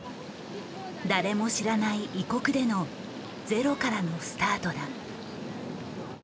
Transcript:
誰も知らない異国でのゼロからのスタートだ。